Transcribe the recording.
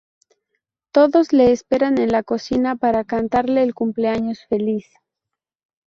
Todos le esperan en la cocina para cantarle el cumpleaños feliz.